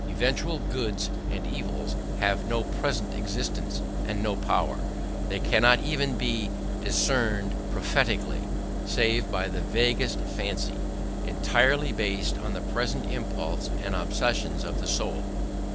Eventual goods and evils have no present existence and no power: they cannot even be discerned prophetically, save by the vaguest fancy, entirely based on the present impulses and obsessions of the soul.